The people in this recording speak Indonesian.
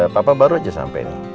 papa baru aja sampai nih